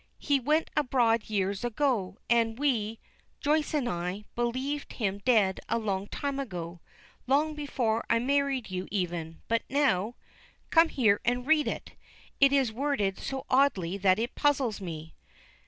He went abroad years ago, and we Joyce and I, believed him dead a long time ago, long before I married you even but now Come here and read it. It is worded so oddly that it puzzles me."